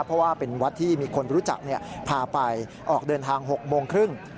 เพราะว่าเป็นวัดที่มีคนรู้จักพาไปออกเดินทาง๖โมงครึ่ง